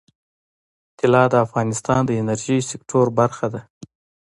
طلا د افغانستان د انرژۍ سکتور برخه ده.